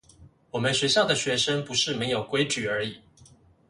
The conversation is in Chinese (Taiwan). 我們學校的學生不是沒有規矩而已